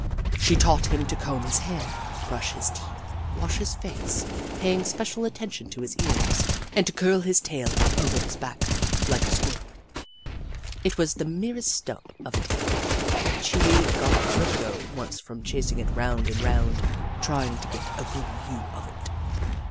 She taught him to comb his hair, brush his teeth, wash his face, paying special attention to his ears, and to curl his tail up over his back, like a Squirrel. It was the merest stub of a tail and Chee Wee got vertigo once from chasing it round and round trying to get a good view of it.